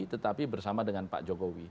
tetapi bersama dengan pak jokowi